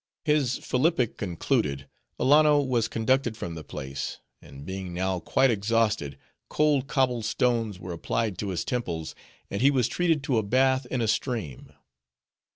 His philippic concluded, Alanno was conducted from the place; and being now quite exhausted, cold cobble stones were applied to his temples, and he was treated to a bath in a stream.